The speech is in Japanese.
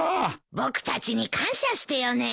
僕たちに感謝してよね。